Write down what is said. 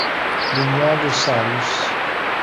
Legnago Salus.